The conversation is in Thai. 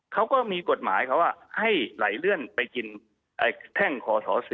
เขาก็มีกฎหมายเขาว่าให้ไหลเลื่อนไปกินแท่งคอส๔